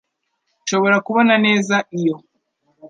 Nshobora kubona neza iyo?